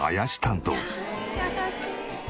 優しい。